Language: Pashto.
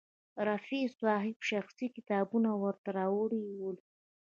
رفیع صاحب شخصي کتابونه ورته راوړي ول.